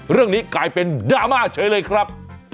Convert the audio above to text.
เรื่องนี้กลายเป็นดราม่าเฉยเลยครับ